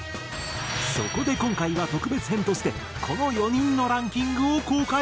そこで今回は特別編としてこの４人のランキングを公開。